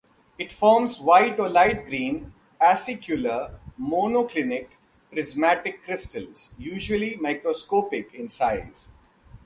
It forms white or light green, acicular monoclinic prismatic crystals, usually microscopic in size.